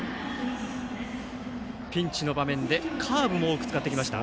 ピンチの場面でカーブも多く使ってきました。